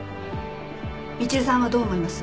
みちるさんはどう思います？